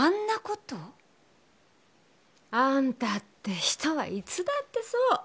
あんたって人はいつだってそう！